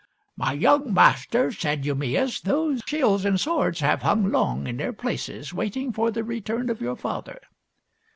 " My young master," said Eumaeus, "those shields and swords have hung long in their places, waiting for the return of your father."